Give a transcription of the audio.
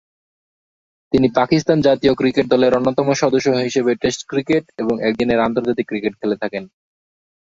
তিনি পাকিস্তান জাতীয় ক্রিকেট দলের অন্যতম সদস্য হিসেবে টেস্ট ক্রিকেট এবং একদিনের আন্তর্জাতিক ক্রিকেট খেলে থাকেন।